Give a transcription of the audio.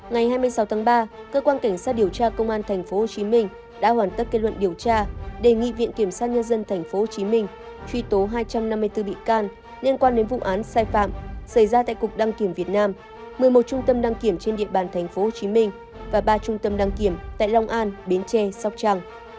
ngày hai mươi sáu tháng ba cơ quan cảnh sát điều tra công an tp hcm đã hoàn tất kết luận điều tra đề nghị viện kiểm sát nhân dân tp hcm truy tố hai trăm năm mươi bốn bị can liên quan đến vụ án sai phạm xảy ra tại cục đăng kiểm việt nam một mươi một trung tâm đăng kiểm trên địa bàn tp hcm và ba trung tâm đăng kiểm tại long an bến tre sóc trăng